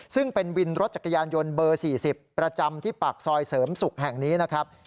ซึ่งเป็นวินรถจักรยานยนต์เบอร์๔๐ประจำที่ปากซอยเสริมศุกร์แห่งนี้นะครับ